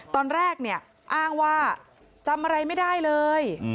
ตอนแรกเนี่ยอ้างว่าจำอะไรไม่ได้เลย